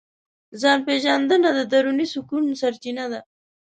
ځان پېژندنه د دروني سکون سرچینه ده.